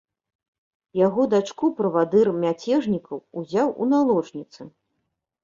Яго дачку правадыр мяцежнікаў узяў у наложніцы.